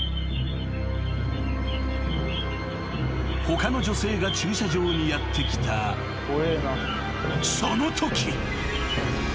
［他の女性が駐車場にやって来たそのとき］